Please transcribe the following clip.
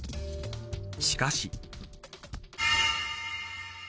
しかし。